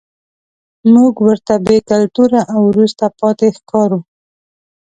موږ ورته بې کلتوره او وروسته پاتې ښکارو.